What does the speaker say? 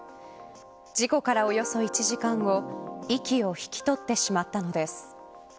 事故からおよそ１時間後息を引き取ってしまったのです。